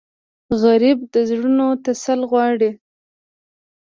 غریب د زړونو تسل غواړي